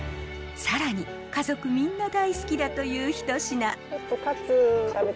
更に家族みんな大好きだという一品。